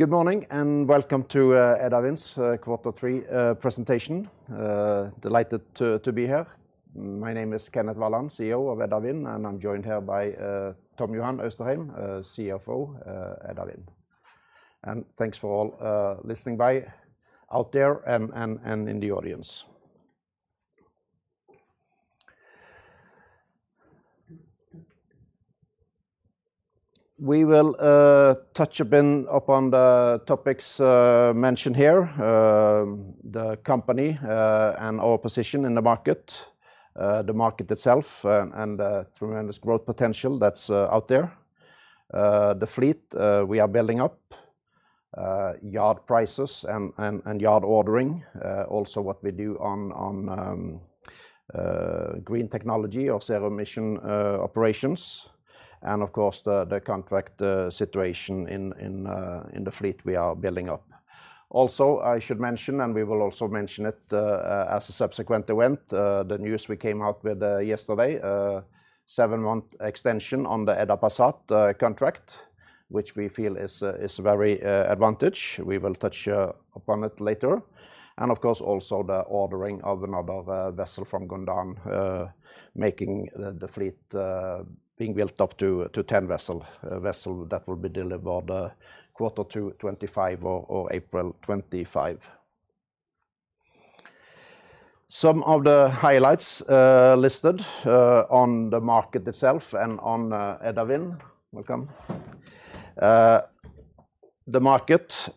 Good morning and welcome to Edda Wind's quarter three presentation. Delighted to be here. My name is Kenneth Walland, CEO of Edda Wind, and I'm joined here by Tom Johan Austrheim, CFO, Edda Wind. Thanks for all listening out there and in the audience. We will touch a bit upon the topics mentioned here. The company and our position in the market. The market itself and the tremendous growth potential that's out there. The fleet we are building up. Yard prices and yard ordering. Also what we do on green technology or zero emission operations. Of course the contract situation in the fleet we are building up. Also, I should mention, and we will also mention it, as a subsequent event, the news we came out with yesterday, seven-month extension on the Edda Passat contract, which we feel is very advantageous. We will touch upon it later. Of course, also the ordering of another vessel from Gondan, making the fleet being built up to 10 vessels. A vessel that will be delivered quarter two 2025 or April 2025. Some of the highlights listed on the market itself and on Edda Wind. Welcome. The market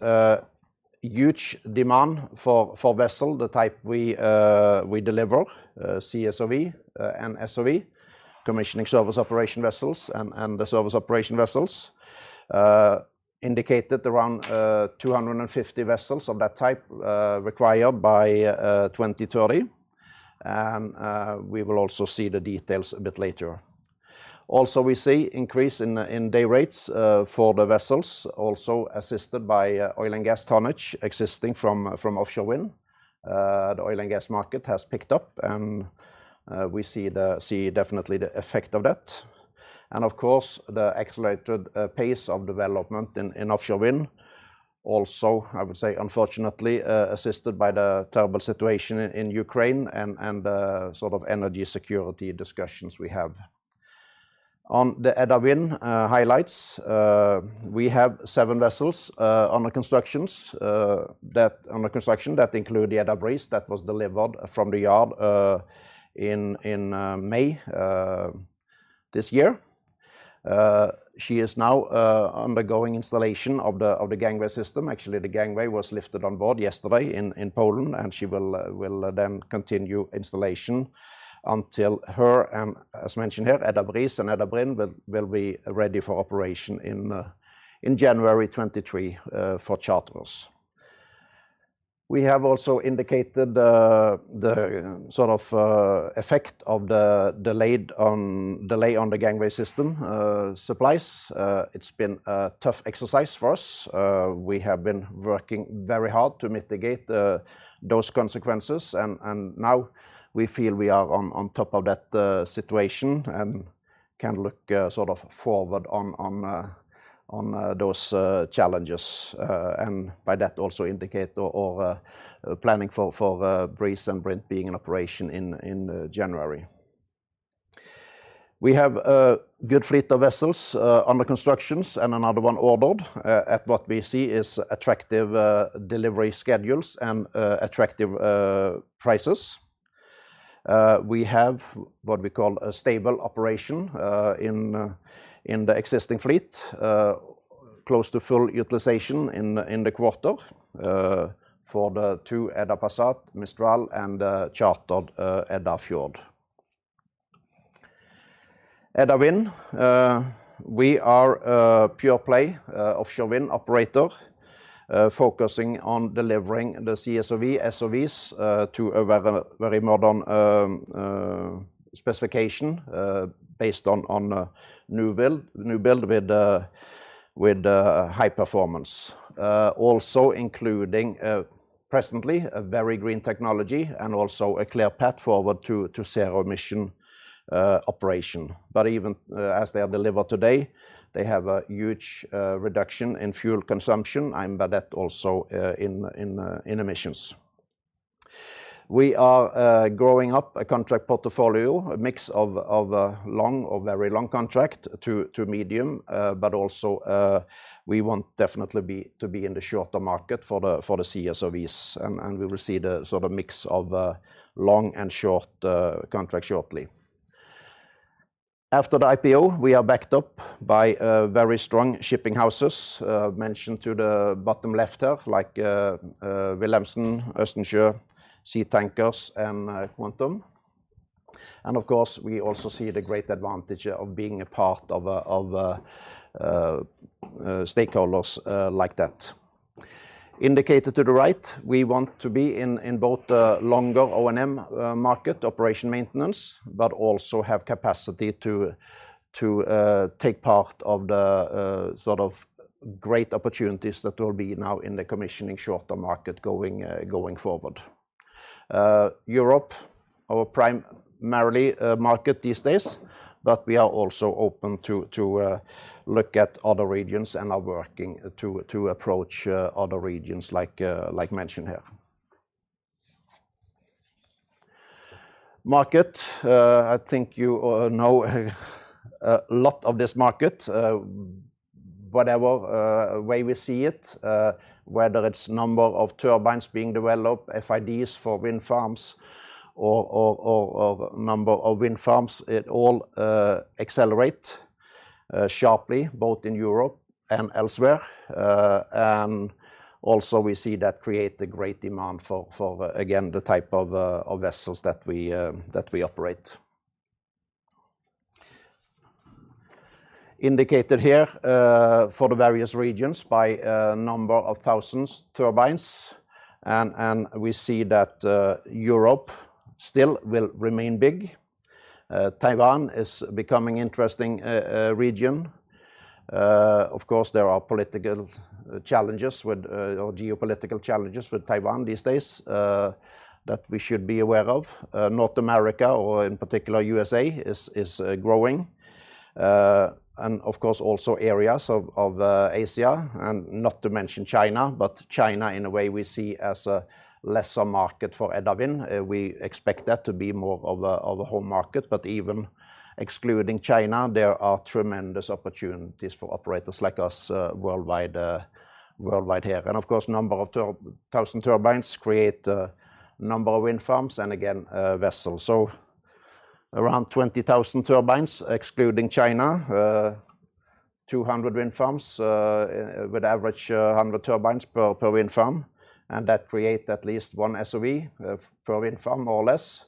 huge demand for vessels, the type we deliver, CSOV and SOV, commissioning service operation vessels and the service operation vessels. Indicated around 250 vessels of that type required by 2030. We will also see the details a bit later. Also, we see increase in day rates for the vessels, also assisted by oil and gas tonnage exiting from offshore wind. The oil and gas market has picked up, and we see definitely the effect of that. Of course, the accelerated pace of development in offshore wind. Also, I would say unfortunately assisted by the terrible situation in Ukraine and sort of energy security discussions we have. On the Edda Wind highlights, we have seven vessels under construction that include the Edda Breeze that was delivered from the yard in May this year. She is now undergoing installation of the gangway system. Actually, the gangway was lifted on board yesterday in Poland, and she will then continue installation until her and, as mentioned here, Edda Breeze and Edda Brint will be ready for operation in January 2023 for charters. We have also indicated the sort of effect of the delay on the gangway system supplies. It's been a tough exercise for us. We have been working very hard to mitigate those consequences. Now we feel we are on top of that situation and can look sort of forward on those challenges. By that also indicate or planning for Breeze and Brint being in operation in January. We have a good fleet of vessels under construction and another one ordered at what we see is attractive delivery schedules and attractive prices. We have what we call a stable operation in the existing fleet. Close to full utilization in the quarter for the two Edda Passat, Mistral, and the chartered Edda Fjord. Edda Wind, we are a pure play offshore wind operator focusing on delivering the CSOV, SOVs to a very, very modern specification based on new build with high performance. Also including presently a very green technology and also a clear path forward to zero emission operation. Even as they are delivered today, they have a huge reduction in fuel consumption and by that also in emissions. We are growing up a contract portfolio, a mix of long or very long contract to medium, but also we want definitely to be in the shorter market for the CSOVs. We will see the sort of mix of long and short contract shortly. After the IPO, we are backed up by very strong shipping houses mentioned to the bottom left here, like Wilhelmsen, Østensjø, Seatankers, and Quantum. Of course, we also see the great advantage of being a part of stakeholders like that. Indicated to the right, we want to be in both the longer O&M market, operation maintenance, but also have capacity to take part of the sort of great opportunities that will be now in the commissioning shorter market going forward. Europe, our primary market these days, but we are also open to look at other regions and are working to approach other regions like mentioned here. Market, I think you know a lot of this market. Whatever way we see it, whether it's number of turbines being developed, FIDs for wind farms or number of wind farms, it all accelerate sharply both in Europe and elsewhere. We see that create a great demand for again the type of vessels that we operate. Indicated here for the various regions by number of thousands turbines and we see that Europe still will remain big. Taiwan is becoming interesting region. Of course, there are political challenges or geopolitical challenges with Taiwan these days that we should be aware of. North America or in particular USA is growing. Of course also areas of Asia and not to mention China, but China in a way we see as a lesser market for Edda Wind. We expect that to be more of a home market, but even excluding China, there are tremendous opportunities for operators like us worldwide here. Of course, number of thousand turbines create number of wind farms and again vessels. Around 20,000 turbines excluding China, 200 wind farms, with average 100 turbines per wind farm and that create at least one SOV per wind farm more or less,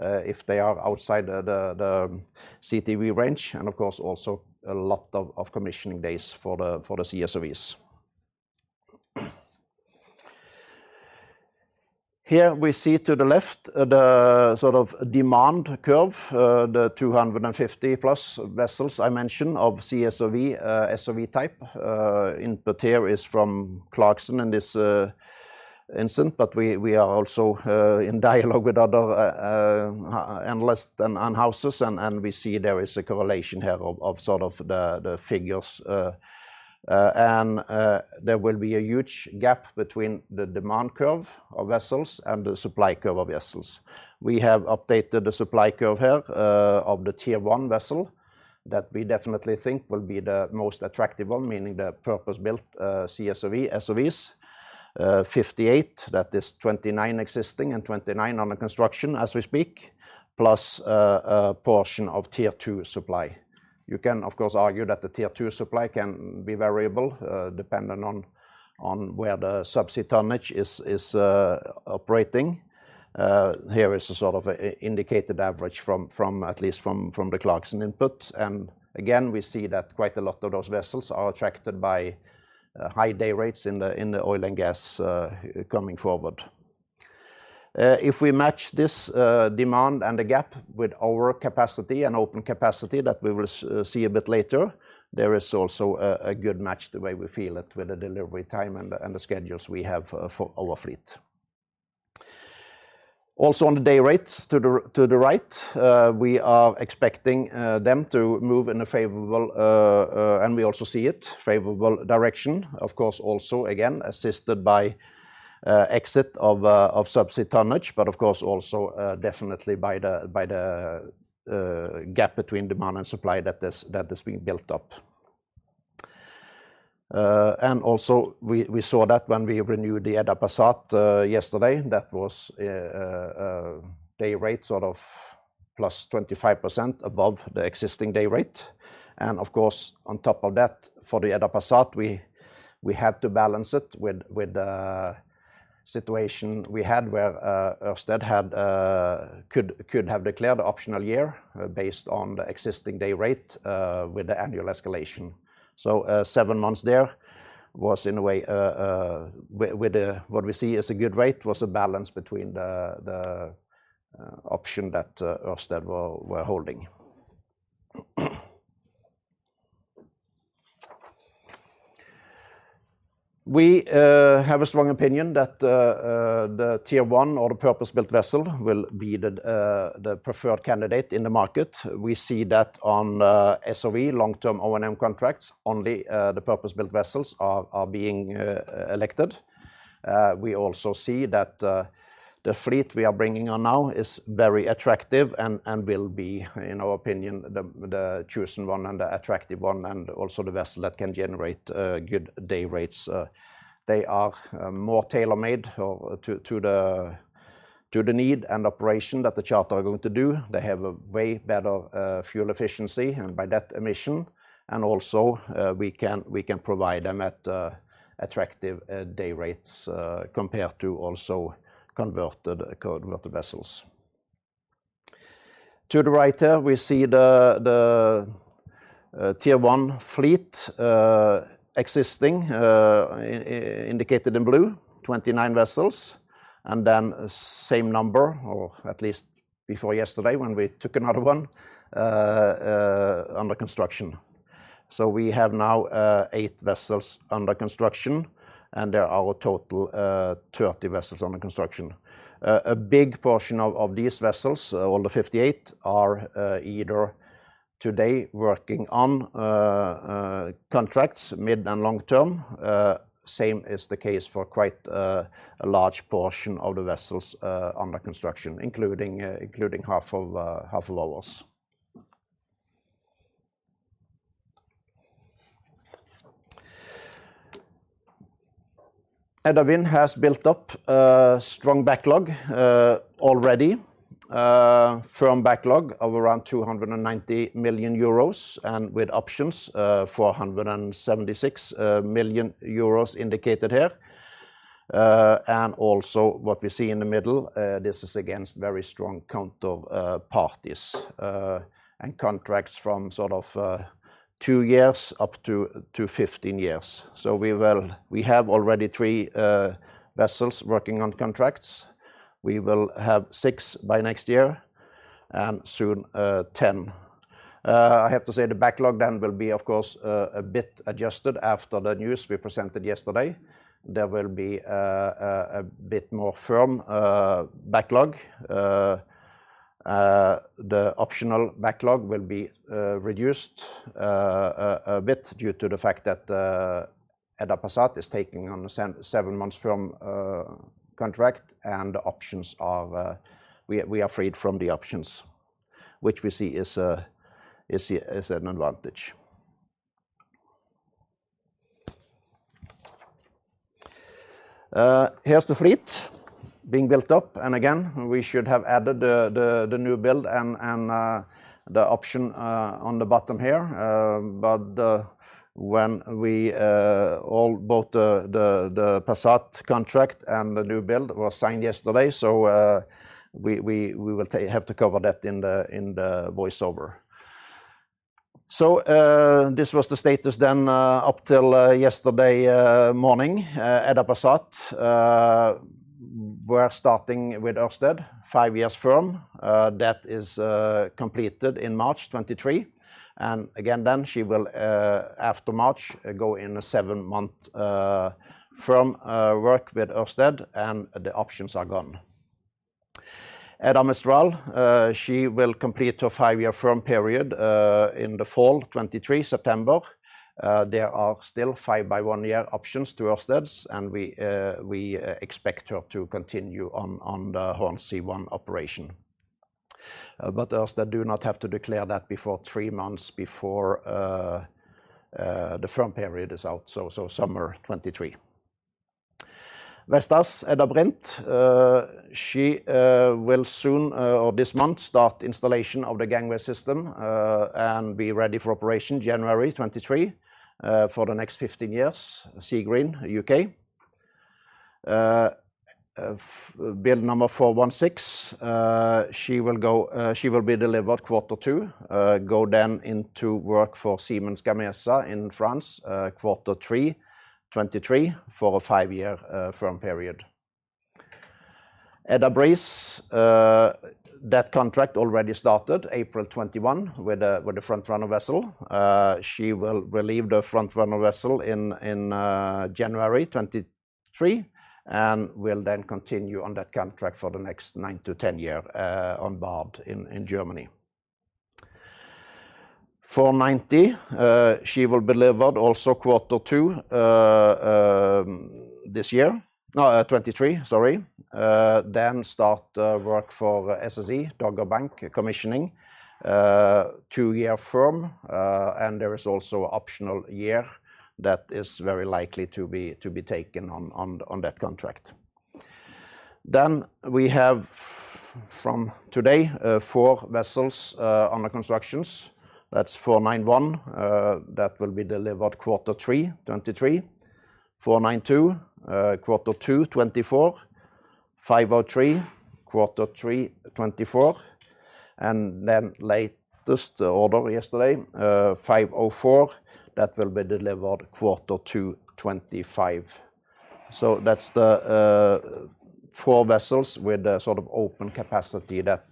if they are outside the CTV range and of course also a lot of commissioning days for the CSOVs. Here we see to the left the sort of demand curve, the 250+ vessels I mentioned of CSOV, SOV type. Input here is from Clarksons in this instance, but we are also in dialogue with other analysts and houses and we see there is a correlation here of sort of the figures. There will be a huge gap between the demand curve of vessels and the supply curve of vessels. We have updated the supply curve here, of the Tier 1 vessel that we definitely think will be the most attractive one, meaning the purpose-built CSOV, SOVs. 58, that is 29 existing and 29 under construction as we speak, plus a portion of Tier 2 supply. You can of course argue that the Tier 2 supply can be variable, dependent on where the subsea tonnage is operating. Here is a sort of an indicated average from at least the Clarksons input. We see that quite a lot of those vessels are attracted by high day rates in the oil and gas coming forward. If we match this demand and the gap with our capacity and open capacity that we will see a bit later, there is also a good match the way we feel it with the delivery time and the schedules we have for our fleet. Also on the day rates to the right, we are expecting them to move in a favorable direction. Of course, also assisted by exit of subsea tonnage, but of course also definitely by the gap between demand and supply that is being built up. We saw that when we renewed the Edda Passat yesterday, that was a day rate sort of +25% above the existing day rate. Of course, on top of that for the Edda Passat, we had to balance it with the situation we had where Ørsted could have declared option year based on the existing day rate with the annual escalation. Seven months there was in a way with what we see as a good rate was a balance between the option that Ørsted were holding. We have a strong opinion that the Tier 1 or the purpose-built vessel will be the preferred candidate in the market. We see that on SOV long-term O&M contracts, only the purpose-built vessels are being elected. We also see that the fleet we are bringing on now is very attractive and will be, in our opinion, the chosen one and the attractive one and also the vessel that can generate good day rates. They are more tailor-made to the need and operation that the charterer is going to do. They have a way better fuel efficiency and thereby emissions. We can provide them at attractive day rates compared to also converted vessels. To the right there, we see the Tier 1 fleet existing indicated in blue, 29 vessels, and then same number, or at least before yesterday when we took another one under construction. We have now eight vessels under construction, and there are total 30 vessels under construction. A big portion of these vessels, all the 58 are either today working on contracts mid- and long-term. Same is the case for quite a large portion of the vessels under construction including half of ours. Edda Wind has built up a strong backlog already. Firm backlog of around 290 million euros and with options 476 million euros indicated here. And also what we see in the middle, this is against very strong counterparties and contracts from sort of two years up to 15 years. We have already three vessels working on contracts. We will have six by next year and soon, 10. I have to say the backlog then will be of course a bit adjusted after the news we presented yesterday. There will be a bit more firm backlog. The optional backlog will be reduced a bit due to the fact that Edda Passat is taking on seven months from contract and options of we are freed from the options which we see is an advantage. Here's the fleet being built up. Again, we should have added the new build and the option on the bottom here. When both the Passat contract and the new build was signed yesterday, we will have to cover that in the voiceover. This was the status then up till yesterday morning. Edda Passat, we are starting with Ørsted five years firm, that is completed in March 2023. Again, then she will after March go in a seven-month firm work with Ørsted and the options are gone. Edda Mistral, she will complete a five-year firm period in the fall 2023 September. There are still five by one year options to Ørsted and we expect her to continue on the Hornsea One operation. Ørsted does not have to declare that three months before the firm period is out, summer 2023. Vestas Edda Brint she will soon or this month start installation of the gangway system and be ready for operation January 2023 for the next 15 years. Seagreen, U.K. Build number 416. She will be delivered quarter two. Go then into work for Siemens Gamesa in France, quarter three 2023 for a five-year firm period. Edda Breeze, that contract already started April 2021 with a frontrunner vessel. She will relieve the frontrunner vessel in January 2023, and will then continue on that contract for the next 9-10 years onboard in Germany. 490, she will be delivered also quarter two this year. No, 2023 sorry. Start work for SSE Dogger Bank commissioning. Two-year firm, and there is also optional year that is very likely to be taken on that contract. We have from today, four vessels under construction. That's 491, that will be delivered quarter three 2023. 492, quarter two 2024. 503, quarter three 2024. Latest order yesterday, 504, that will be delivered quarter two 2025. That's the four vessels with the sort of open capacity that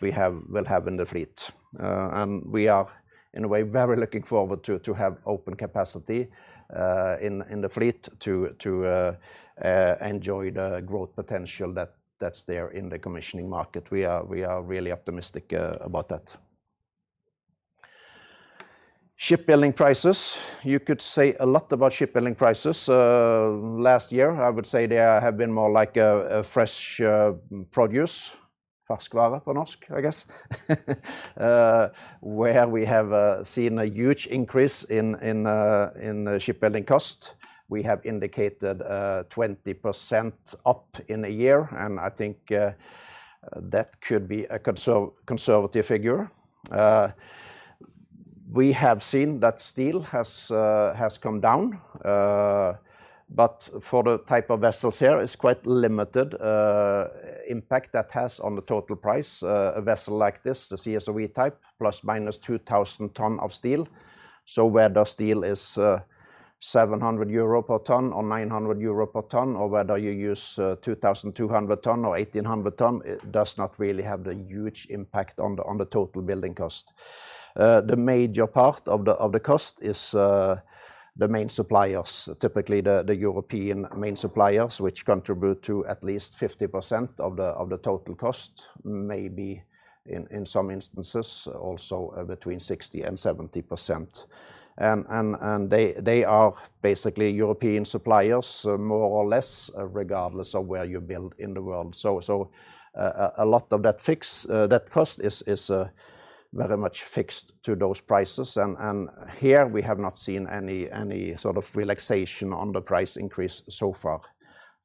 we have, will have in the fleet. We are in a way very looking forward to have open capacity in the fleet to enjoy the growth potential that's there in the commissioning market. We are really optimistic about that. Shipbuilding prices. You could say a lot about shipbuilding prices. Last year I would say they have been more like a fresh produce. Ferskvare on norsk I guess. Where we have seen a huge increase in shipbuilding cost. We have indicated 20% up in a year. I think that could be a conservative figure. We have seen that steel has come down. For the type of vessels here, it's quite limited impact that has on the total price. A vessel like this, the CSOV type ±2,000 tons of steel. Where the steel is 700 euro per ton or 900 euro per ton, or whether you use 2,200 tons or 1,800 tons, it does not really have the huge impact on the total building cost. The major part of the cost is the main suppliers, typically the European main suppliers, which contribute to at least 50% of the total cost, maybe in some instances also between 60% and 70%. They are basically European suppliers more or less regardless of where you build in the world. A lot of that fixed cost is very much fixed to those prices and here we have not seen any sort of relaxation on the price increase so far.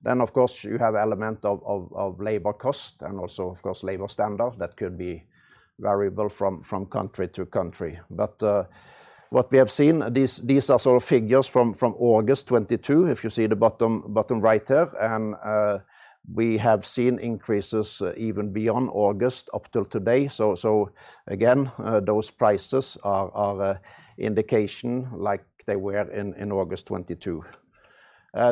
Of course you have element of labor cost and also of course labor standard that could be variable from country to country. What we have seen, these are sort of figures from August 2022, if you see the bottom right there, and we have seen increases even beyond August up till today. Again, those prices are an indication like they were in August 2022.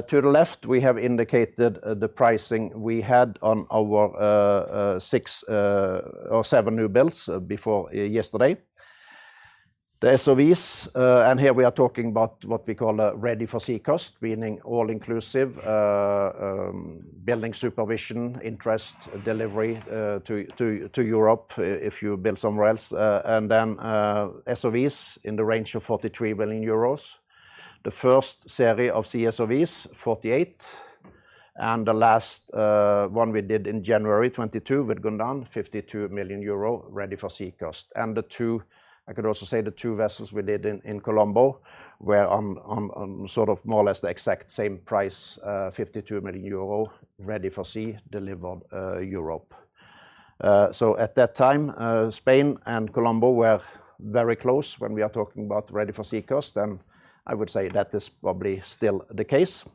To the left we have indicated the pricing we had on our six or seven new builds before yesterday. The SOVs and here we are talking about what we call a ready-for-sea cost, meaning all inclusive, building supervision, interest, delivery to Europe if you build somewhere else, and then SOVs in the range of 43 million euros. The first series of CSOVs, 48, and the last one we did in January 2022 with Gondan, 52 million euro ready-for-sea cost. The two vessels we did in Colombo were on sort of more or less the exact same price, 52 million euro ready-for-sea delivered Europe. At that time, Spain and Colombo were very close when we are talking about ready-for-sea cost, and I would say that is probably still the case.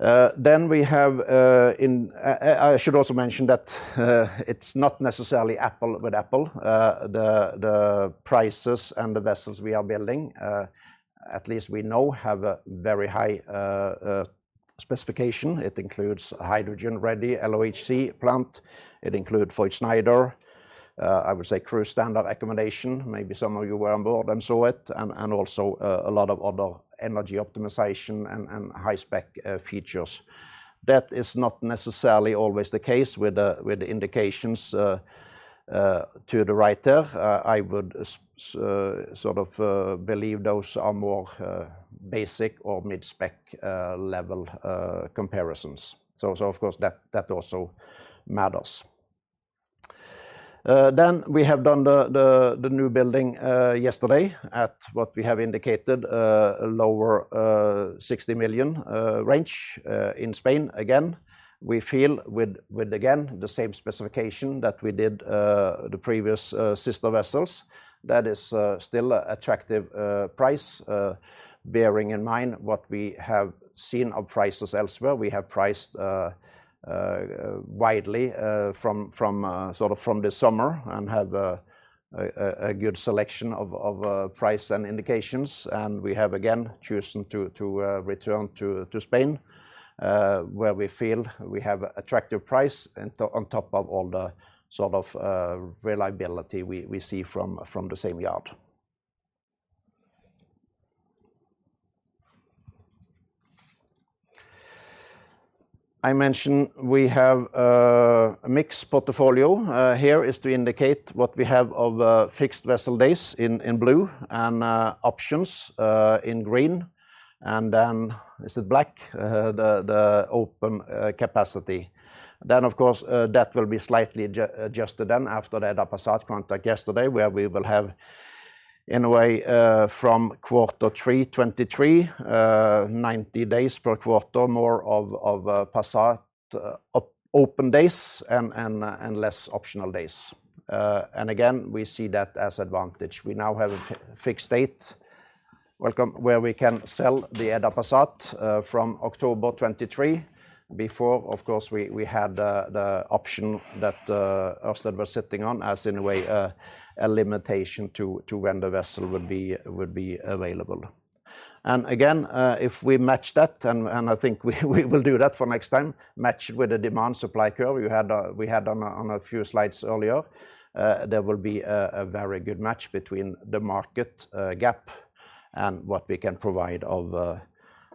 Then we have in... I should also mention that it's not necessarily apples to apples. The prices and the vessels we are building, at least we know, have a very high specification. It includes hydrogen-ready LOHC plant. It includes Voith Schneider. I would say crew standard accommodation. Maybe some of you were on board and saw it, and also a lot of other energy optimization and high-spec features. That is not necessarily always the case with the indications to the right there. I would sort of believe those are more basic or mid-spec level comparisons. Of course that also matters. We have done the new building yesterday at what we have indicated, a lower 60 million range, in Spain again. We feel with again the same specification that we did the previous sister vessels, that is still an attractive price bearing in mind what we have seen of prices elsewhere. We have priced widely from sort of this summer and have a good selection of price and indications. We have again chosen to return to Spain where we feel we have attractive price and on top of all the sort of reliability we see from the same yard. I mentioned we have a mixed portfolio. Here is to indicate what we have of fixed vessel days in blue and options in green, and then is it black? The open capacity. Of course that will be slightly adjusted after the Edda Passat contract yesterday where we will have anyway from quarter three 2023, 90 days per quarter, more of Passat open days and less optional days. Again, we see that as advantage. We now have a fixed date, welcome, where we can sell the Edda Passat from October 2023. Before, of course, we had the option that Ørsted was sitting on as in a way a limitation to when the vessel would be available. Again, if we match that, and I think we will do that for next time, match with the demand supply curve we had on a few slides earlier, there will be a very good match between the market gap and what we can provide of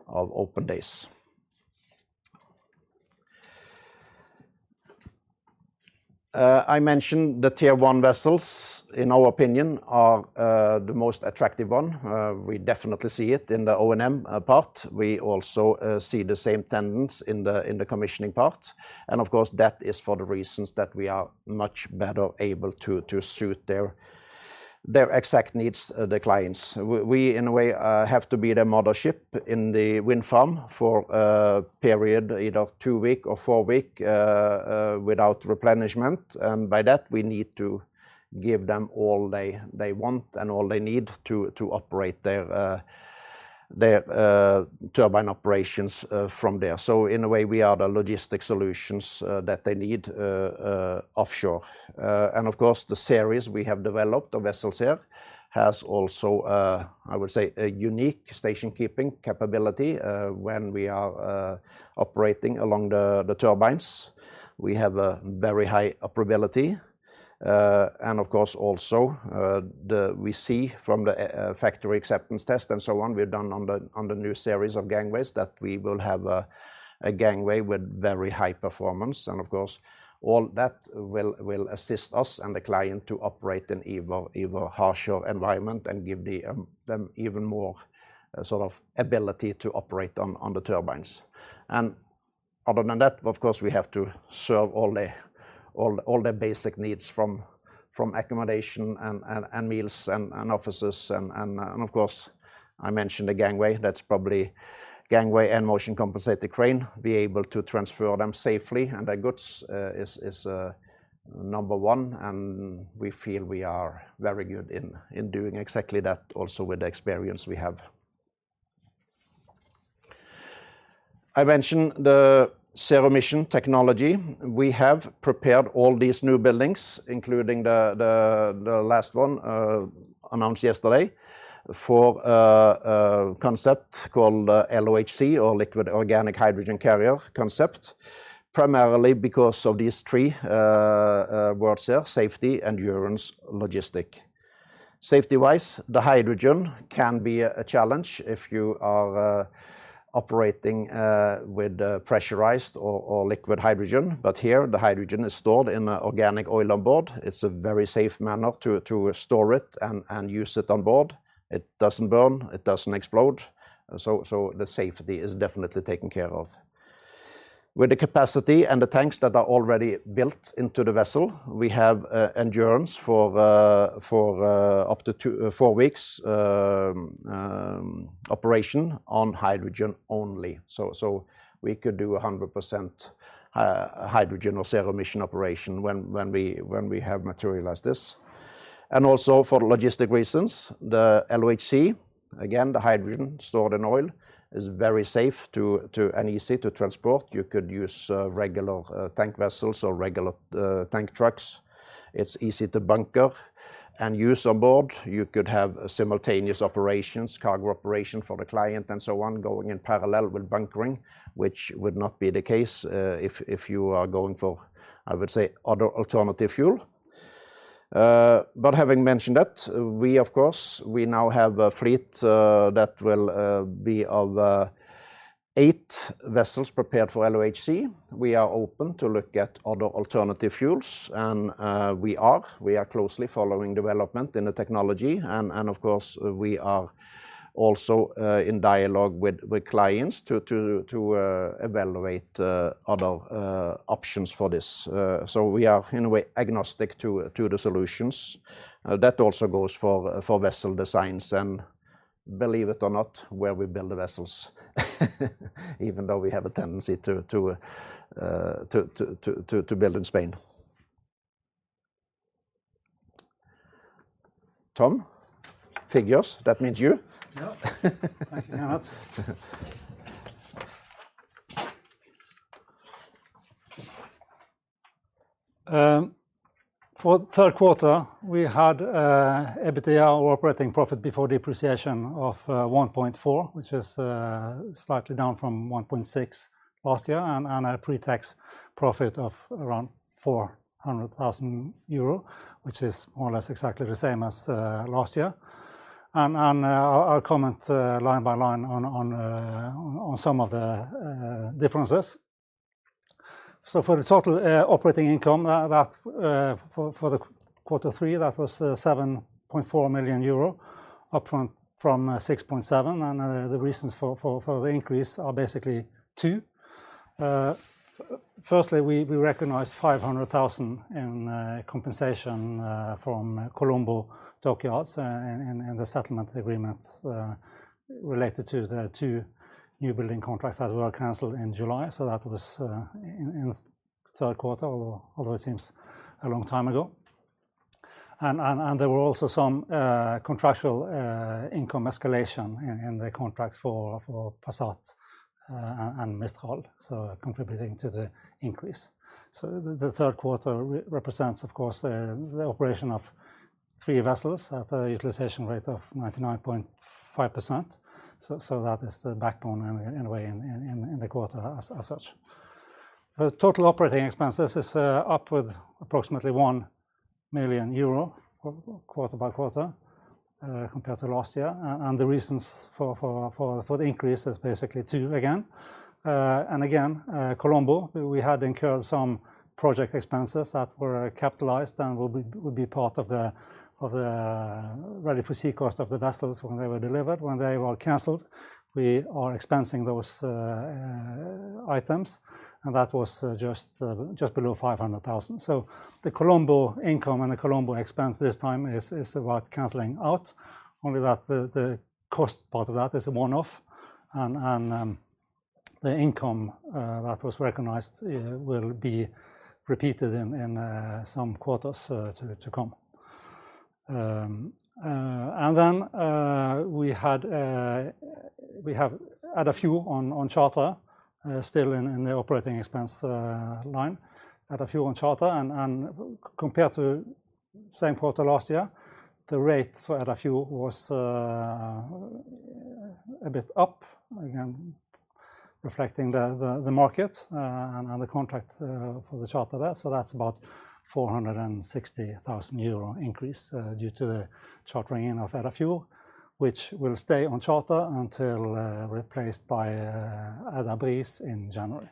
open days. I mentioned the Tier 1 vessels, in our opinion, are the most attractive one. We definitely see it in the O&M part. We also see the same trends in the commissioning part. Of course, that is for the reasons that we are much better able to suit their exact needs of the clients. We in a way have to be the mothership in the wind farm for a period either two-week or four-week without replenishment. By that, we need to give them all they want and all they need to operate their turbine operations from there. In a way we are the logistics solutions that they need offshore. Of course the series we have developed, the vessels here, has also, I would say, a unique station-keeping capability. When we are operating along the turbines, we have a very high operability. Of course also we see from the factory acceptance test and so on, we've done on the new series of gangways that we will have a gangway with very high performance. Of course, all that will assist us and the client to operate in even harsher environment and give them even more sort of ability to operate on the turbines. Other than that, of course, we have to serve all the basic needs from accommodation and meals and offices and of course I mentioned the gangway, that's probably gangway and motion-compensated crane, be able to transfer them safely and their goods is number one, and we feel we are very good in doing exactly that also with the experience we have. I mentioned the zero emission technology. We have prepared all these new buildings, including the last one announced yesterday for concept called LOHC or liquid organic hydrogen carrier concept primarily because of these three words here, safety, endurance, logistics. Safety-wise, the hydrogen can be a challenge if you are operating with pressurized or liquid hydrogen. Here the hydrogen is stored in an organic oil on board. It's a very safe manner to store it and use it on board. It doesn't burn, it doesn't explode. The safety is definitely taken care of. With the capacity and the tanks that are already built into the vessel, we have endurance for up to 24 weeks operation on hydrogen only. We could do 100% hydrogen or zero emission operation when we have materialized this. Also for logistic reasons, the LOHC, again, the hydrogen stored in oil is very safe and easy to transport. You could use regular tank vessels or regular tank trucks. It's easy to bunker and use on board. You could have simultaneous operations, cargo operation for the client and so on, going in parallel with bunkering, which would not be the case if you are going for, I would say, other alternative fuel. Having mentioned that, we of course now have a fleet that will be of eight vessels prepared for LOHC. We are open to look at other alternative fuels and we are closely following development in the technology and of course we are also in dialogue with clients to evaluate other options for this. We are in a way agnostic to the solutions. That also goes for vessel designs and believe it or not, where we build the vessels, even though we have a tendency to build in Spain. Tom, figures. That means you. Yeah. Thank you very much. For the third quarter, we had EBITDA or operating profit before depreciation of 1.4 million, which is slightly down from 1.6 million last year, and a pre-tax profit of around 400,000 euro, which is more or less exactly the same as last year. I'll comment line by line on some of the differences. For the total operating income for quarter three, that was 7.4 million euro up from 6.7 million. The reasons for the increase are basically two. Firstly, we recognized 500,000 in compensation from Colombo Dockyard PLC and the settlement agreements related to the two new building contracts that were canceled in July. That was in third quarter, although it seems a long time ago. There were also some contractual income escalation in the contracts for Passat and Mistral, so contributing to the increase. The third quarter represents, of course, the operation of three vessels at a utilization rate of 99.5%. That is the backbone in a way in the quarter as such. The total operating expenses is up with approximately 1 million euro quarter by quarter, compared to last year. The reasons for the increase is basically two again. Colombo, we had incurred some project expenses that were capitalized and will be part of the ready-for-sea cost of the vessels when they were delivered. When they were canceled, we are expensing those items and that was just below 500,000. The Colombo income and the Colombo expense this time is about canceling out, only that the cost part of that is a one-off and the income that was recognized will be repeated in some quarters to come. We have Edda Fjord on charter still in the operating expense line. Edda fuel on charter compared to same quarter last year, the rate for Edda fuel was a bit up, again, reflecting the market and the contract for the charter there. That's about 460 thousand euro increase due to the chartering in of Edda fuel, which will stay on charter until replaced by Edda Breeze in January.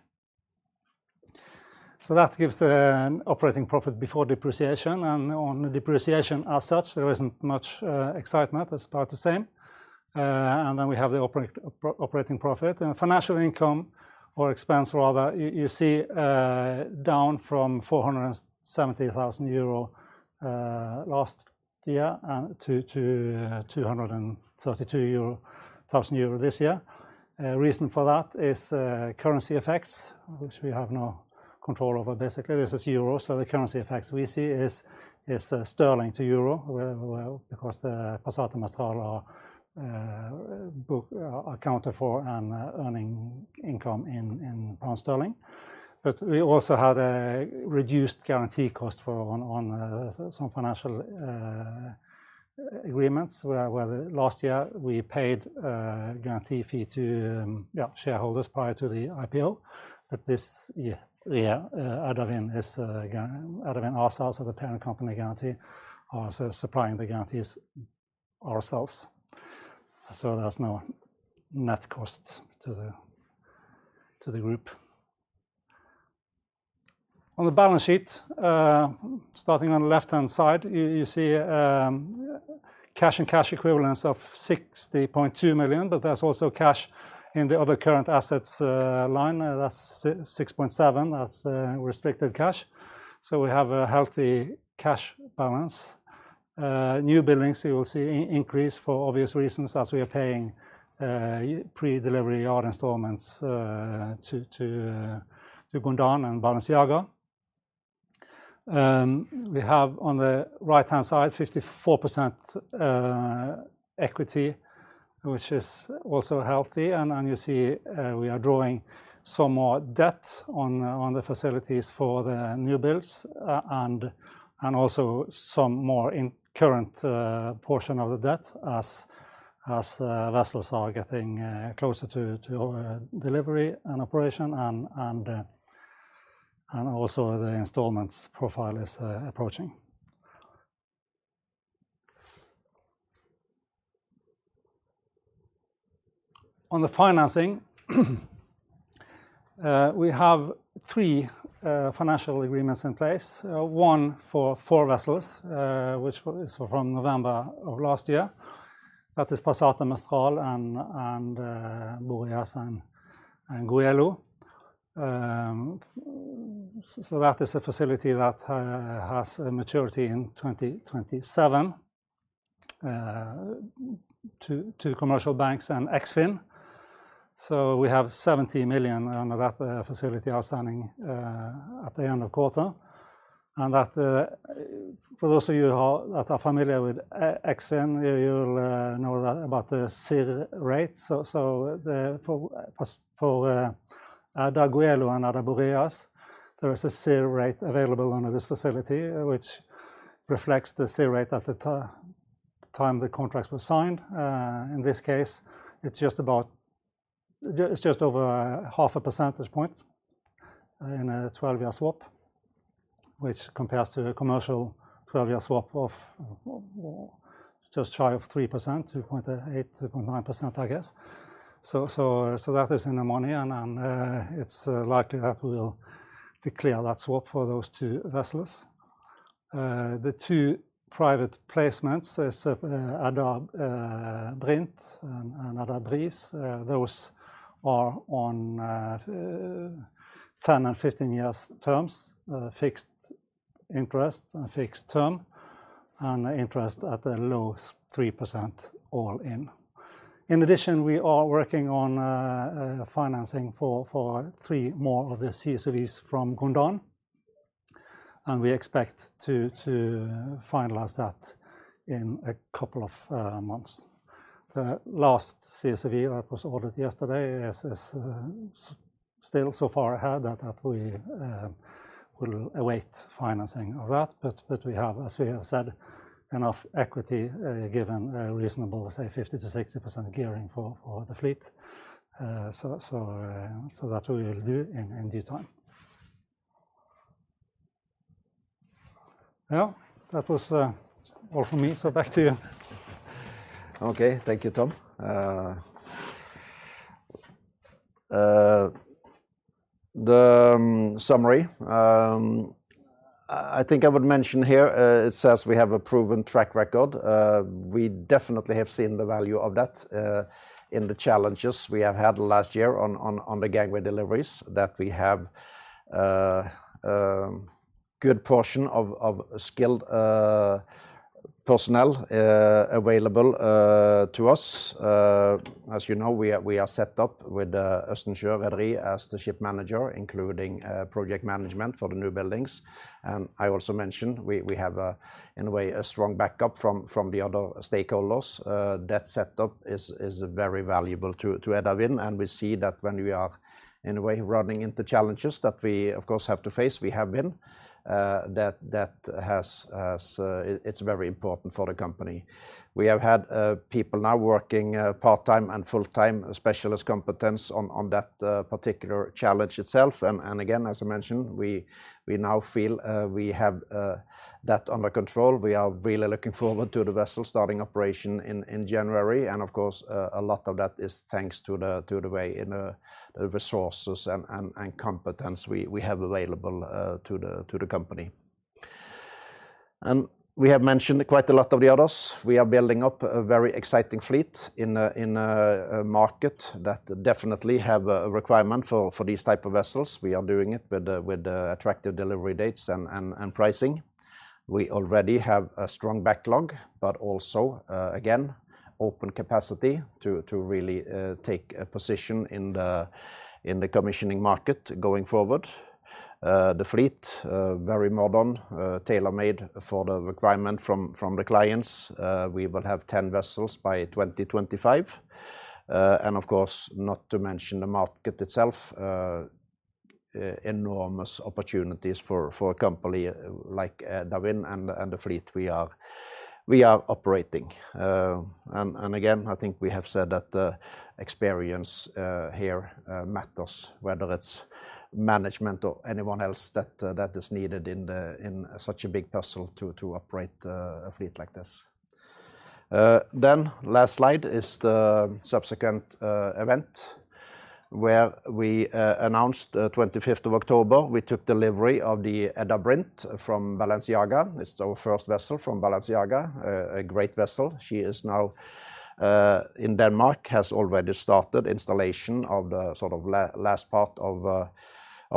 That gives an operating profit before depreciation. On depreciation as such, there isn't much excitement. That's about the same. Then we have the operating profit. Financial income or expense rather, you see, down from 470 thousand euro last year to 232 thousand euro this year. Reason for that is currency effects, which we have no control over basically. This is euro, so the currency effects we see is sterling to euro where, well, because Passat and Mistral are accounted for and earning income in pound sterling. We also had a reduced guarantee cost for some financial agreements where last year we paid a guarantee fee to shareholders prior to the IPO. This year, Edda Wind ourselves or the parent company are supplying the guarantees ourselves. There's no net cost to the group. On the balance sheet, starting on the left-hand side, you see cash and cash equivalents of 60.2 million, but there's also cash in the other current assets line. That's 6.7 million. That's restricted cash. We have a healthy cash balance. New billings you will see increase for obvious reasons as we are paying pre-delivery yard installments to Gondan and Balenciaga. We have on the right-hand side 54% equity, which is also healthy. You see we are drawing some more debt on the facilities for the new builds and also some more in current portion of the debt as vessels are getting closer to delivery and operation and also the installments profile is approaching. On the financing, we have three financial agreements in place. One for four vessels, which was from November of last year. That is Passat and Mistral and Boreas and Goelo. That is a facility that has a maturity in 2027 with two commercial banks and Eksfin. We have 70 million under that facility outstanding at the end of the quarter. For those of you who are familiar with Eksfin, you'll know that about the CIRR rate. For the Edda Goelo and Edda Boreas, there is a CIRR rate available under this facility, which reflects the CIRR rate at the time the contracts were signed. In this case, it's just over half a percentage point in a 12-year swap, which compares to a commercial 12-year swap of just shy of 3%, 2.8%-2.9%, I guess. That is in the money and it's likely that we'll declare that swap for those two vessels. The two private placements is Edda Brint and Edda Breeze. Those are on 10 and 15-years terms, fixed interest and fixed term, and interest at a low 3% all in. In addition, we are working on financing for three more of the CSOVs from Gondan, and we expect to finalize that in a couple of months. The last CSOV that was ordered yesterday is still so far ahead that we will await financing of that. We have, as we have said, enough equity given a reasonable, say, 50%-60% gearing for the fleet. That we will do in due time. Yeah, that was all from me. Back to you. Okay. Thank you, Tom. The summary, I think I would mention here, it says we have a proven track record. We definitely have seen the value of that, in the challenges we have had last year on the gangway deliveries that we have, good portion of skilled personnel available to us. As you know, we are set up with Østensjø Rederi as the ship manager, including project management for the new buildings. I also mentioned we have, in a way a strong backup from the other stakeholders. That setup is very valuable to Edda Wind, and we see that when we are, in a way, running into challenges that we of course have to face, we have been, that has. It's very important for the company. We have had people now working part-time and full-time specialist competence on that particular challenge itself. Again, as I mentioned, we now feel we have that under control. We are really looking forward to the vessel starting operation in January. Of course, a lot of that is thanks to the way in the resources and competence we have available to the company. We have mentioned quite a lot of the others. We are building up a very exciting fleet in a market that definitely have a requirement for these type of vessels. We are doing it with attractive delivery dates and pricing. We already have a strong backlog, but also again open capacity to really take a position in the commissioning market going forward. The fleet very modern tailor-made for the requirement from the clients. We will have 10 vessels by 2025. Of course, not to mention the market itself. Enormous opportunities for a company like Edda Wind and the fleet we are operating. Again, I think we have said that the experience here matters, whether it's management or anyone else that is needed in such a big puzzle to operate a fleet like this. Last slide is the subsequent event where we announced 25th of October, we took delivery of the Edda Brint from Balenciaga. It's our first vessel from Balenciaga. A great vessel. She is now in Denmark. Has already started installation of the sort of last part of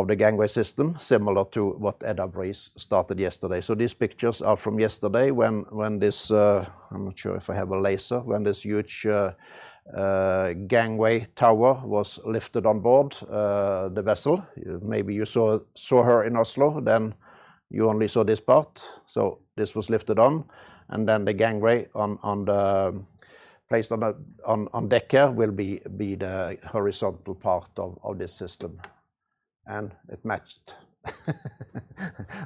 the gangway system, similar to what Edda Breeze started yesterday. These pictures are from yesterday when this huge gangway tower was lifted on board the vessel. Maybe you saw her in Oslo. Then you only saw this part. This was lifted on, and then the gangway placed on the deck will be the horizontal part of this system. And it matched.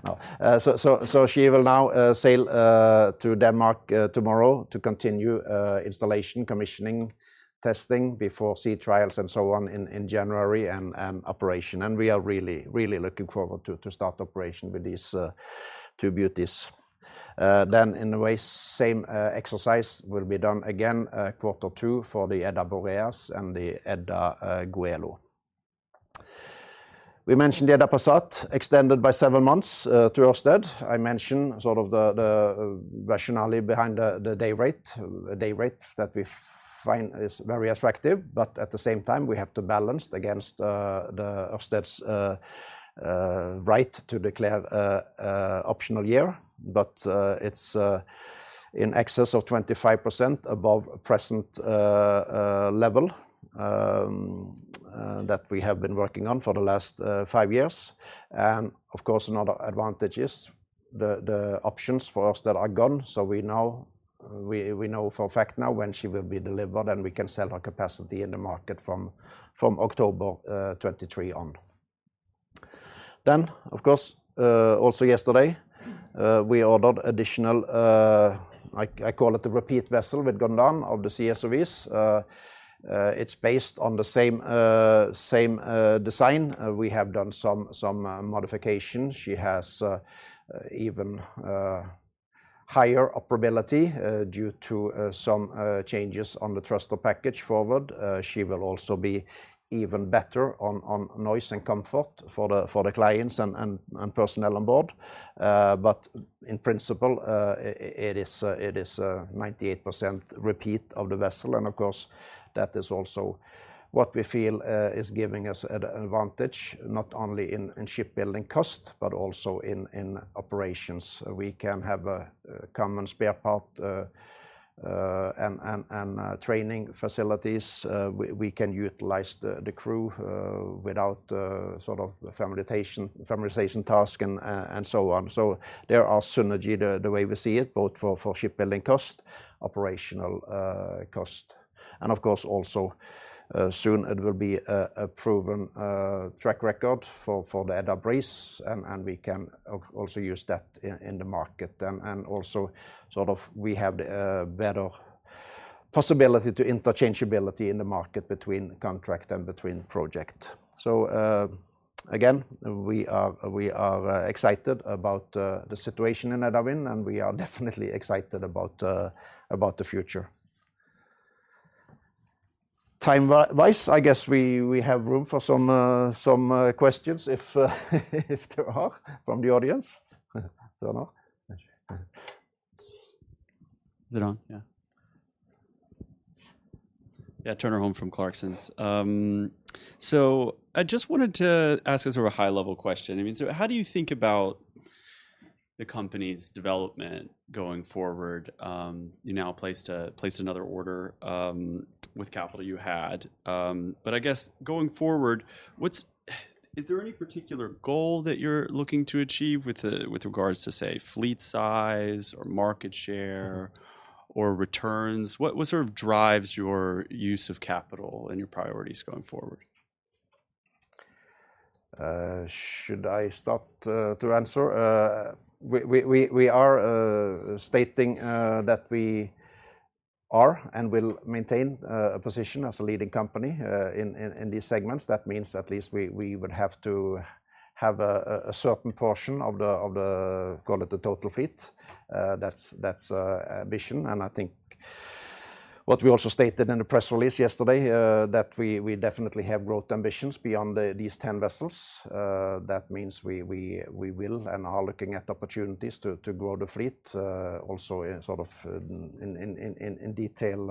No. She will now sail to Denmark tomorrow to continue installation, commissioning, testing before sea trials and so on in January and operation. We are really looking forward to start operation with these two beauties. In a way, the same exercise will be done again quarter two for the Edda Boreas and the Edda Goelo. We mentioned the Edda Passat extended by seven months to Ørsted. I mentioned the rationale behind the day rate. A day rate that we find is very attractive, but at the same time, we have to balance against Ørsted's right to declare optional year. It's in excess of 25% above present level that we have been working on for the last five years. Of course, another advantage is the options for us that are gone. We know for a fact now when she will be delivered, and we can sell her capacity in the market from October 2023 on. Of course, also yesterday, we ordered additional. I call it the repeat vessel with Gondan of the CSOV. It's based on the same design. We have done some modifications. She has even higher operability due to some changes on the thruster package forward. She will also be even better on noise and comfort for the clients and personnel on board. In principle, it is a 98% repeat of the vessel. Of course, that is also what we feel is giving us an advantage, not only in shipbuilding cost, but also in operations. We can have a common spare part and training facilities. We can utilize the crew without sort of familiarization task and so on. There are synergy the way we see it, both for shipbuilding cost, operational cost. Of course, also, soon it will be a proven track record for the Edda Breeze and we can also use that in the market. Also sort of we have the better possibility to interchangeability in the market between contract and project. Again, we are excited about the situation in Edda Wind, and we are definitely excited about the future. Time-wise, I guess we have room for some questions if there are from the audience. Don't know. Yeah. Yeah, Turner Holm from Clarksons. I just wanted to ask a sort of a high-level question. I mean, how do you think about the company's development going forward? You now placed another order with capital you had. But I guess going forward, is there any particular goal that you're looking to achieve with regards to, say, fleet size or market share or returns? What sort of drives your use of capital and your priorities going forward? Should I start to answer? We are stating that we are and will maintain a position as a leading company in these segments. That means at least we would have to have a certain portion of the total fleet. That's our ambition. I think what we also stated in the press release yesterday that we definitely have growth ambitions beyond these ten vessels. That means we will and are looking at opportunities to grow the fleet also in sort of in detail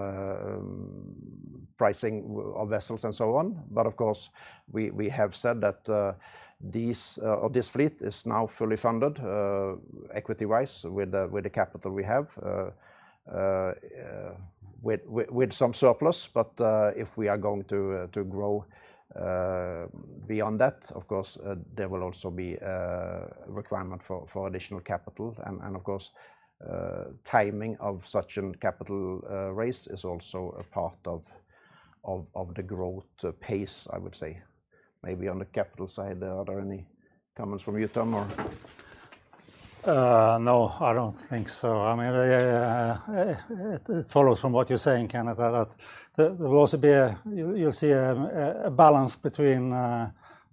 pricing of vessels and so on. Of course, we have said that this fleet is now fully funded, equity-wise with the capital we have, with some surplus. If we are going to grow beyond that, of course, there will also be a requirement for additional capital and, of course, timing of such a capital raise is also a part of the growth pace, I would say. Maybe on the capital side, are there any comments from you, Tom, or? No, I don't think so. I mean, it follows from what you say in Canada that there will also be a balance between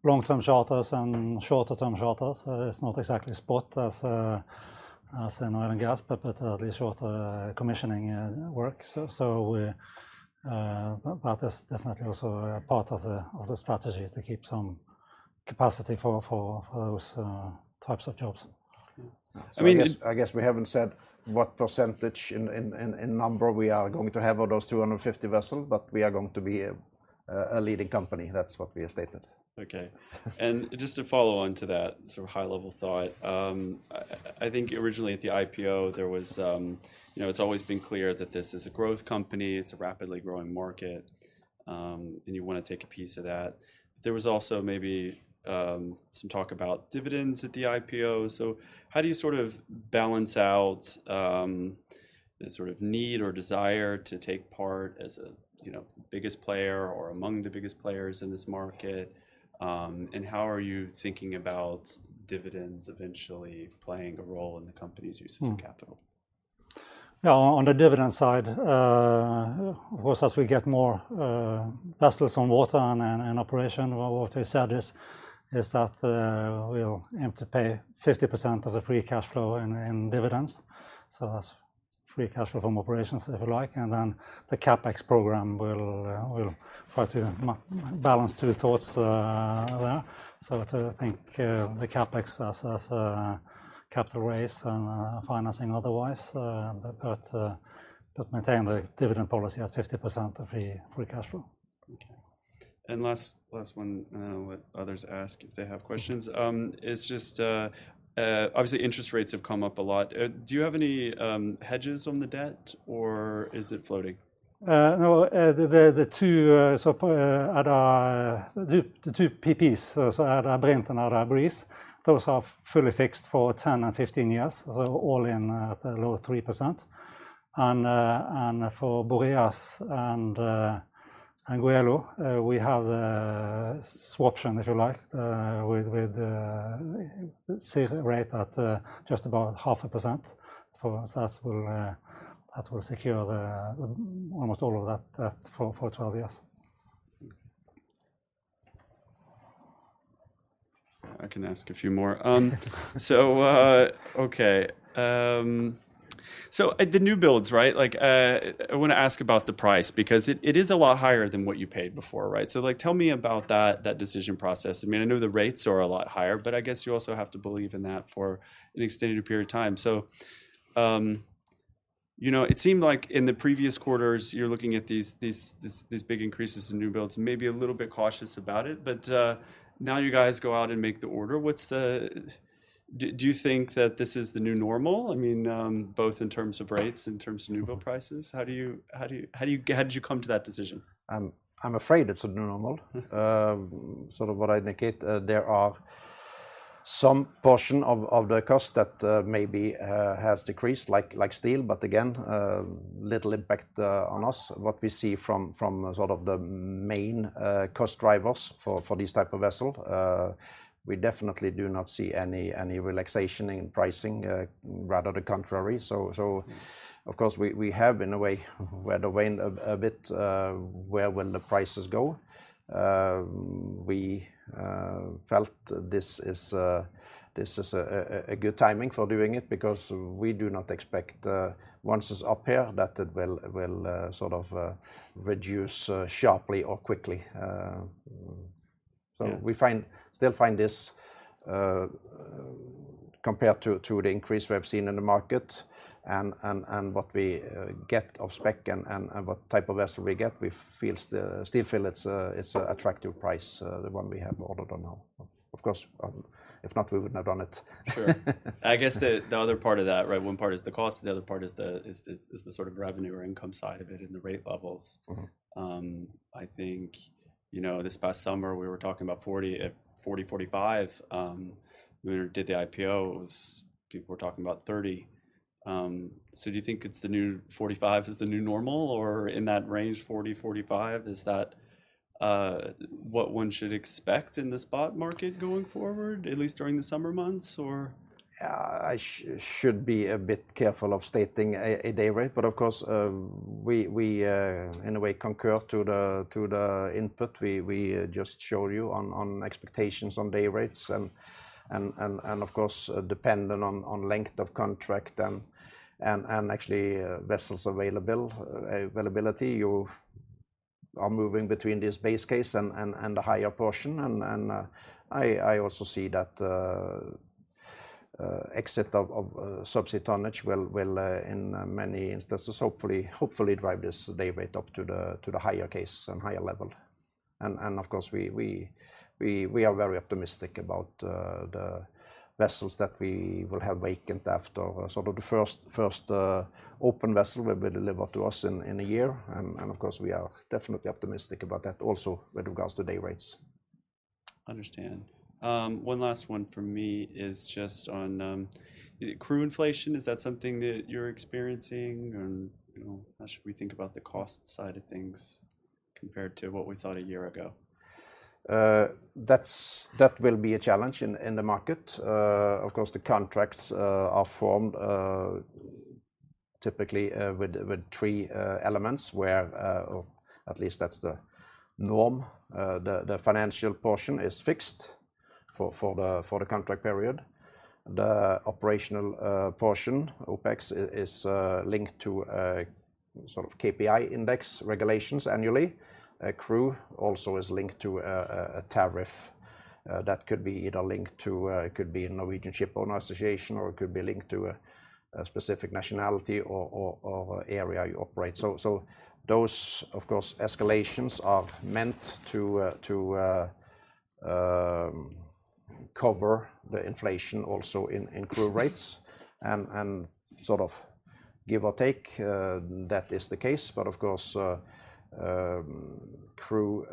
long-term charters and shorter term charters. It's not exactly spot, as in oil and gas, but at least shorter commissioning work. That is definitely also a part of the strategy to keep some capacity for those types of jobs. I mean. I guess we haven't said what percentage in number we are going to have of those 250 vessels, but we are going to be a leading company. That's what we have stated. Okay. Just to follow on to that sort of high-level thought, I think originally at the IPO, there was, you know, it's always been clear that this is a growth company, it's a rapidly growing market, and you want to take a piece of that. There was also maybe some talk about dividends at the IPO. How do you sort of balance out the sort of need or desire to take part as a, you know, biggest player or among the biggest players in this market? How are you thinking about dividends eventually playing a role in the company's use of capital? Yeah, on the dividend side, of course, as we get more vessels on water and operation, what we said is that we'll aim to pay 50% of the free cash flow in dividends. That's free cash flow from operations, if you like. Then the CapEx program will try to balance two thoughts there. To think the CapEx as a capital raise and financing otherwise, but maintain the dividend policy at 50% of free cash flow. Okay. Last one, and then I'll let others ask if they have questions. It's just obviously interest rates have come up a lot. Do you have any hedges on the debt or is it floating? No. The two CSOVs, Edda Brint and Edda Breeze, those are fully fixed for 10 and 15 years. All in at a low 3%. For Boreas and Goelo, we have the swap option, if you like, with CIRR rate at just about 0.5%. That will secure almost all of that debt for 12 years. I can ask a few more. The new builds, right? Like, I want to ask about the price because it is a lot higher than what you paid before, right? Like tell me about that decision process. I mean, I know the rates are a lot higher, but I guess you also have to believe in that for an extended period of time. You know, it seemed like in the previous quarters, you're looking at these big increases in new builds and maybe a little bit cautious about it. Now you guys go out and make the order. Do you think that this is the new normal? I mean, both in terms of rates, in terms of new build prices. How did you come to that decision? I'm afraid it's a new normal. Sort of what I indicate, there are some portion of the cost that maybe has decreased like steel, but again, little impact on us. What we see from sort of the main cost drivers for this type of vessel, we definitely do not see any relaxation in pricing, rather the contrary. Of course, we have in a way, we had to wait a bit where the prices go. We felt this is a good timing for doing it because we do not expect, once it's up here, that it will sort of reduce sharply or quickly. We still find this compared to the increase we have seen in the market and what we get off spec and what type of vessel we get. We still feel it's a attractive price, the one we have ordered now. Of course, if not, we would not done it. Sure. I guess the other part of that, right, one part is the cost and the other part is the sort of revenue or income side of it and the rate levels. Mm-hmm. I think, you know, this past summer we were talking about 40-45. When we did the IPO, it was. People were talking about 30. Do you think 45 is the new normal or in that range, 40-45? Is that what one should expect in the spot market going forward, at least during the summer months or? Yeah. I should be a bit careful of stating a day rate, but of course, we in a way concur to the input. We just show you on expectations on day rates and of course, dependent on length of contract and actually, vessels availability. You are moving between this base case and the higher portion. I also see that exit of subsea tonnage will in many instances, hopefully, drive this day rate up to the higher case and higher level. Of course, we are very optimistic about the vessels that we will have vacant after sort of the first open vessel will be delivered to us in a year. Of course, we are definitely optimistic about that also with regards to day rates. Understand. One last one from me is just on crew inflation. Is that something that you're experiencing and, you know, how should we think about the cost side of things compared to what we thought a year ago? That will be a challenge in the market. Of course, the contracts are formed typically with three elements, or at least that's the norm. The financial portion is fixed for the contract period. The operational portion, OpEx is linked to a sort of KPI index regulations annually. Crew also is linked to a tariff that could be either linked to it could be a Norwegian Shipowners' Association or it could be linked to a specific nationality or area you operate. Those, of course, escalations are meant to cover the inflation also in crew rates. Sort of give or take, that is the case. Of course, crew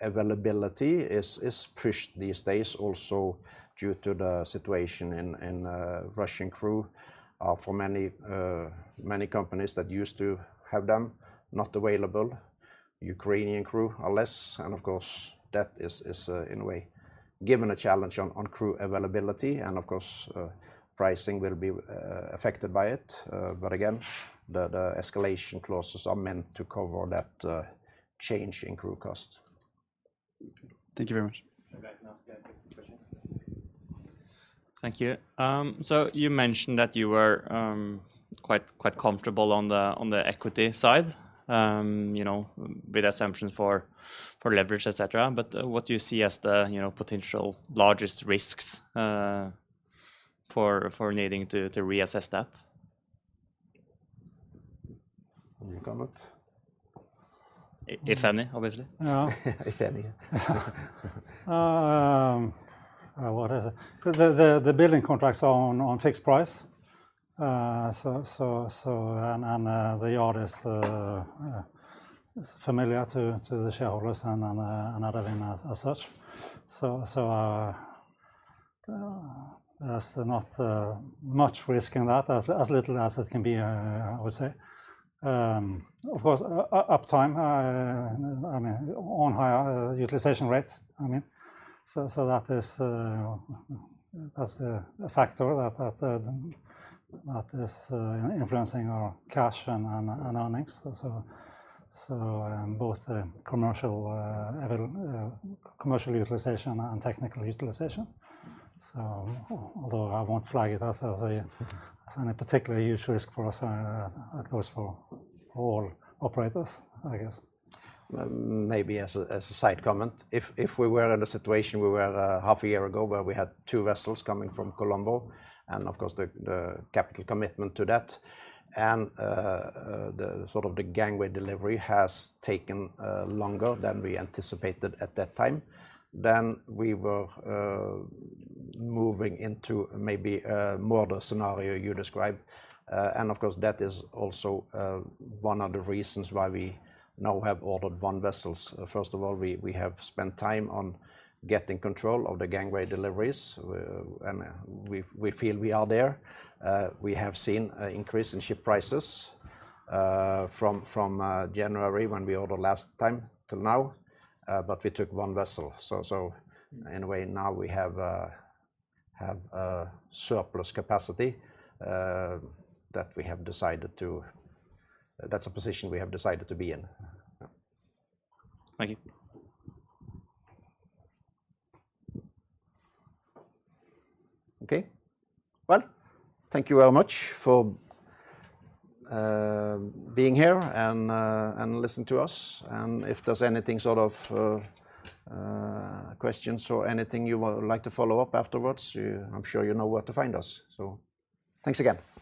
availability is pushed these days also due to the situation with Russian crew for many companies that used to have them not available. Ukrainian crew are less, and of course, that is in a way giving a challenge on crew availability. Of course, pricing will be affected by it. Again, the escalation clauses are meant to cover that change in crew cost. Thank you very much. Okay. Now can I take a question? Thank you. So you mentioned that you were quite comfortable on the equity side, you know, with assumptions for leverage, et cetera. What do you see as the, you know, potential largest risks for needing to reassess that? Any comment? If any, obviously. No. If any. What is it? The building contracts are on fixed price. The yard is familiar to the shareholders and all in as such. There's not much risk in that. As little as it can be, I would say. Of course, uptime, I mean, on higher utilization rates, I mean, that is a factor that is influencing our cash and earnings. Both the commercial utilization and technical utilization. Although I won't flag it as any particular huge risk for us, of course, for all operators, I guess. Maybe as a side comment, if we were in a situation half a year ago where we had two vessels coming from Colombo, and of course the capital commitment to that, and the gangway delivery has taken longer than we anticipated at that time, then we were moving into maybe more the scenario you describe. Of course, that is also one of the reasons why we now have ordered one vessels. First of all, we have spent time on getting control of the gangway deliveries, and we feel we are there. We have seen an increase in ship prices from January when we ordered last time till now, but we took one vessel. In a way, now we have surplus capacity that's a position we have decided to be in. Yeah. Thank you. Okay. Well, thank you very much for being here and listen to us. If there's anything, sort of, questions or anything you would like to follow up afterwards, I'm sure you know where to find us. Thanks again.